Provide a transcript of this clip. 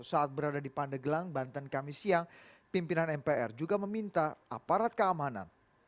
saat berada di pandeglang banten kamisiyang pimpinan epr juga meminta aparat keamanan